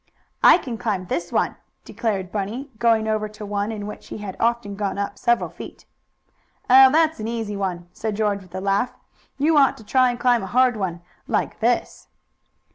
"I can climb this one," declared Bunny, going over to one in which he had often gone up several feet. "Oh, that's an easy one," said George with a laugh. "You ought to try and climb a hard one, like this."